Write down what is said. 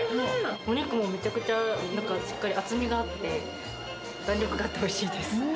お肉もめちゃくちゃ、しっかり厚みがあって、弾力があっておいしいです。